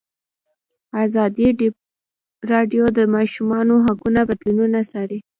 ازادي راډیو د د ماشومانو حقونه بدلونونه څارلي.